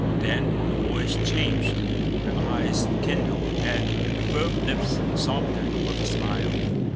Then her voice changed, her eyes kindled, and the firm lips softened with a smile.